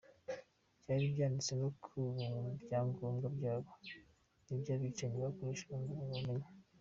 Byari byanditse no ku byangombwa byabo, nibyo abicanyi bakoreshaga ngo babamenye.